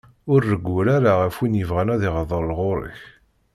Ur reggel ara ɣef win yebɣan ad d-irḍel ɣur-k.